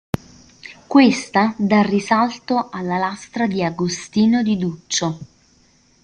Questa dà risalto alla lastra di Agostino di Duccio.